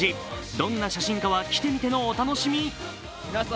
どんな写真かは来てみてのお楽しみ。